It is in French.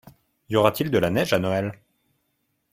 Y aura-t-il de la neige à Noël ?